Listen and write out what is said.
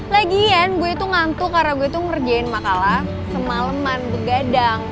lagian gue itu ngantuk karena gue itu ngerjain makalah semaleman begadang